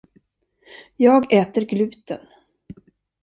Jag äter gluten.